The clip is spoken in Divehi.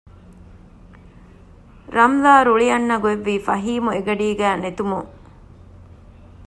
ރަމްލާ ރުޅި އަންނަގޮތްވީ ފަހީމު އެގަޑީގައި ނެތުމުން